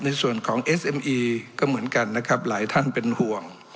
ในส่วนของเอสเอ็มอีก็เหมือนกันนะครับหลายท่านเป็นห่วง